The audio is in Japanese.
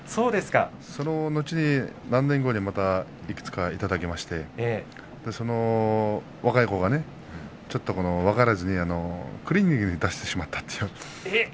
その後に何年後にいくつかいただきまして若い子が、ちょっと分からずにクリーニングに出してしまった。